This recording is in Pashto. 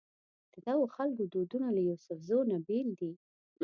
ددغو خلکو دودونه له یوسفزو نه بېل دي.